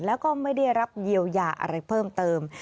แล้วก็ไม่ได้รับเยียวยาอะไรเพิ่มเติม